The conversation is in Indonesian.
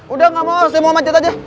udah gak mau saya mau macet aja